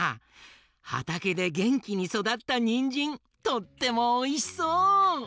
はたけでげんきにそだったにんじんとってもおいしそう！